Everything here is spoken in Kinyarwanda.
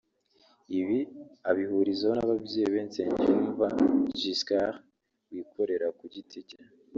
Ibi abihurizaho n’ababyeyi be Nsengiyumva Giscard wikorera ku giti cye